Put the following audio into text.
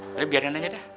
nanti biar nenek dah